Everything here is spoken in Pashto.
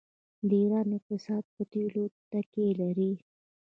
د ایران اقتصاد په تیلو تکیه لري.